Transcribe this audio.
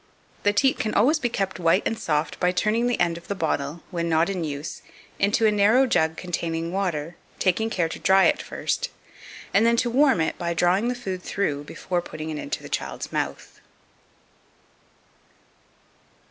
The teat can always be kept white and soft by turning the end of the bottle, when not in use, into a narrow jug containing water, taking care to dry it first, and then to warm it by drawing the food through before putting it into the child's mouth.